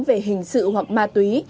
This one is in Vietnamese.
về hình sự hoặc ma túy